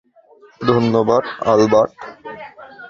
ধন্যবাদ, অ্যালবার্ট।